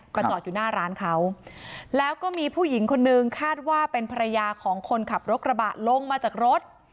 ก็จอดอยู่หน้าร้านเขาแล้วก็มีผู้หญิงคนนึงคาดว่าเป็นภรรยาของคนขับรถกระบะลงมาจากรถ